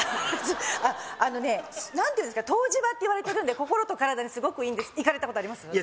あっあのね何ていうんですか湯治場っていわれてるんで心と体にすごくいいんです行かれたことあります？